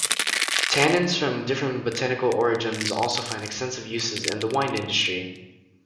Tannins from different botanical origins also find extensive uses in the wine industry.